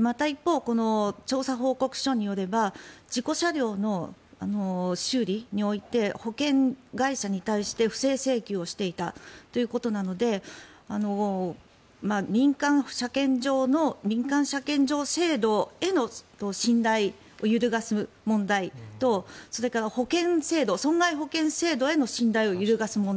また、一方この調査報告書によれば事故車両の修理において保険会社に対して不正請求をしていたということなので民間車検場制度への信頼を揺るがす問題とそれから保険制度損害保険制度への信頼を揺るがす問題。